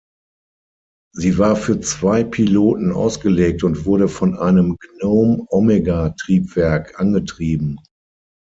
Sie war für zwei Piloten ausgelegt und wurde von einem Gnôme-Omega-Triebwerk angetrieben.